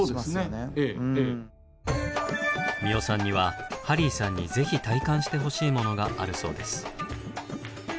三尾さんにはハリーさんにぜひ体感してほしいものがあるそうです。